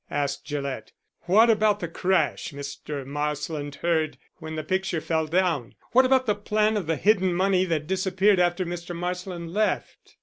asked Gillett. "What about the crash Mr. Marsland heard when the picture fell down? What about the plan of the hidden money that disappeared after Mr. Marsland left?"